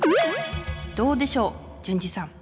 どうでしょう淳二さん！